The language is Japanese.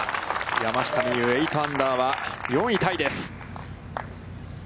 山下美夢有、８アンダーは、４位タイです。